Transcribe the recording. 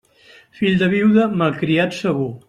Fill de viuda, mal criat segur.